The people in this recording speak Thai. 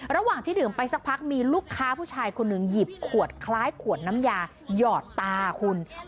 ระหว่างที่ดื่มไปสักพักมีลูกค้าผู้ชายคนหนึ่งหยิบขวดคล้ายขวดน้ำยาหยอดตาคุณ